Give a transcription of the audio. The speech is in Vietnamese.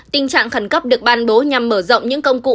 tình trạng khẩn cấp được ban bố nhằm mở rộng những công cụ